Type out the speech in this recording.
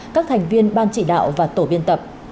các thành viên ban chỉ đạo và tổ biên tập